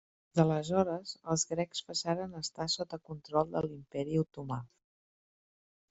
Des d'aleshores, els grecs passaren a estar sota control de l'Imperi otomà.